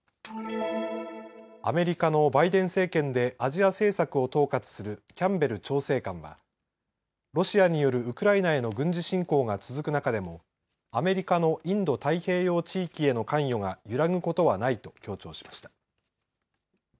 アメリカのバイデン政権でアジア政策を統括するキャンベル調整官はロシアによるウクライナへの軍事侵攻が続く中でもアメリカのインド太平洋地域への関与が揺らぐことはないと強調しました。